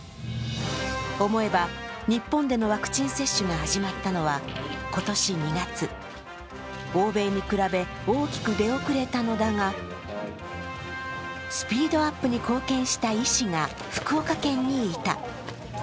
思えば日本でのワクチン接種が始まったのは今年２月、欧米に比べ大きく出遅れたのだがスピードアップに貢献した医師が福岡県にいた。